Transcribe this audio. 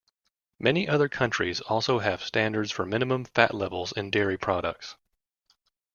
Many other countries also have standards for minimum fat levels in dairy products.